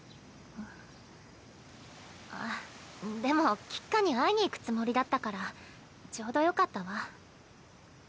あっでも橘花に会いに行くつもりだったからちょうどよかったわ。